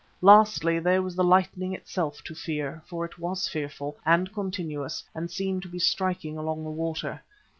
Lastly there was the lightning itself to fear, for it was fearful and continuous and seemed to be striking along the water.